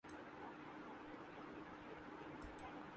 لطافت کا حسین امتزاج دکھائی دیتا ہے